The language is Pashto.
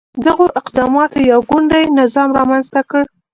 دغو اقداماتو یو ګوندي نظام رامنځته کړ.